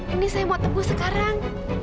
ini saya mau teguh sekarang